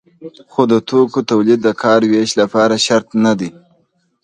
خو د توکو تولید د کار ویش لپاره شرط نه دی.